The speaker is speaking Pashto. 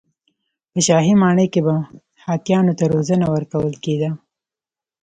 په شاهي ماڼۍ کې به هاتیانو ته روزنه ورکول کېده.